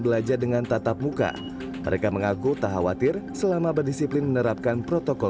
belajar dengan tatap muka mereka mengaku tak khawatir selama berdisiplin menerapkan protokol